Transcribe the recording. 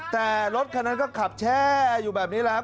แต่รถคันนั้นก็ขับแช่อยู่แบบนี้แหละครับ